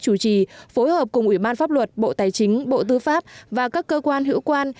chủ trì phối hợp cùng ủy ban pháp luật bộ tài chính bộ tư pháp và các cơ quan hữu quan